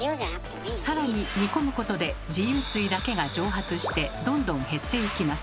更に煮込むことで自由水だけが蒸発してどんどん減っていきます。